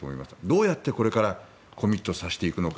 どうやってこれからコミットさせていくのか